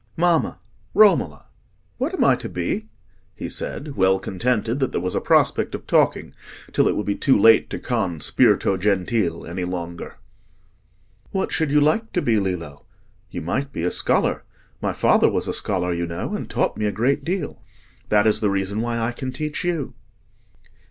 "Mamma. Romola, what am I to be?" he said, well contented that there was a prospect of talking till it would be too late to con "Spirto gentil" any longer. "What should you like to be, Lillo? You might be a scholar. My father was a scholar, you know, and taught me a great deal. That is the reason why I can teach you."